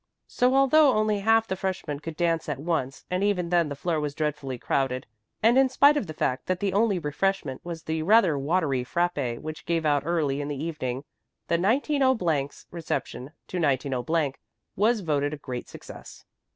So although only half the freshman could dance at once and even then the floor was dreadfully crowded, and in spite of the fact that the only refreshment was the rather watery frappé which gave out early in the evening, 190 's reception to 190 was voted a great success.